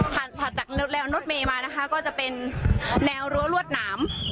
ถัดจากแนวแนวรถเมมานะคะก็จะเป็นแนวรัวรวดหนาม